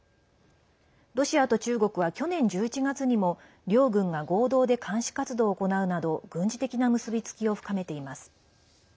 ロシアと中国は、去年１１月にも両軍が合同で監視活動を行うなど軍事的な結び付きを深めています。